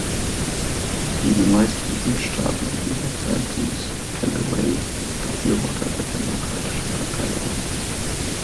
Wie die meisten Südstaatler dieser Zeit wuchs Callaway als Befürworter der Demokratischen Partei auf.